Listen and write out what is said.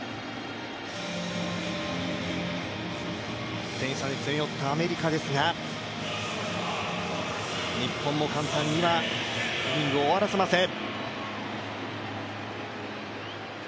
１点差に詰め寄ったアメリカですが日本も簡単にはイニングを終わらせません。